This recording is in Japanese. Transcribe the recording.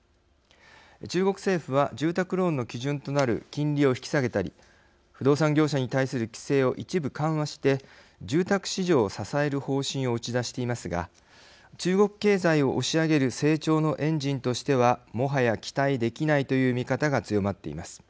中国政府は、住宅ローンの基準となる金利を引き下げたり不動産業者に対する規制を一部緩和して住宅市場を支える方針を打ち出していますが中国経済を押し上げる成長のエンジンとしてはもはや期待できないという見方が強まっています。